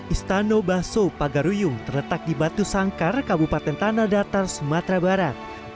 istana baso pagaruyung terletak di batu sangkar kabupaten tanah datar sumatera barat